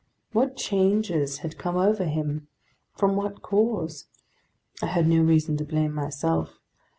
What changes had come over him? From what cause? I had no reason to blame myself.